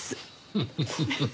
フフフフ。